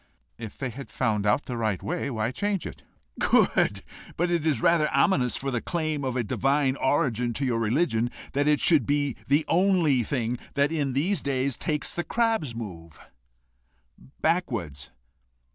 "If they had found out the right way, why change it?" "Good! But it is rather ominous for the claim of a divine origin to your religion that it should be the only one thing that in these days takes the crab's move backwards.